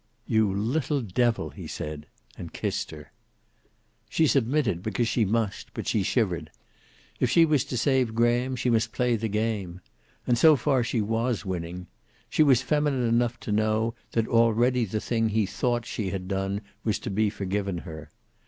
"You little devil!" he said, and kissed her. She submitted, because she must, but she shivered. If she was to save Graham she must play the game. And so far she was winning. She was feminine enough to know that already the thing he thought she had done was to be forgiven her.